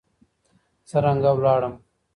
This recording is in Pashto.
څرنګه ولاړم